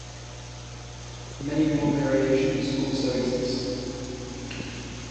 Many more variations also exist.